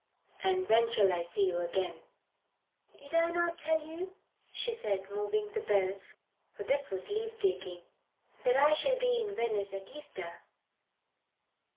"And when shall I see you again?" "Did I not tell you," she said, moving to the bell, for this was leave taking "that I shall be in Venice at Easter?"